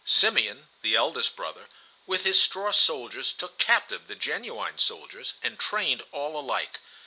Simeon, the eldest brother, with his straw soldiers took captive the genuine soldiers and trained all alike.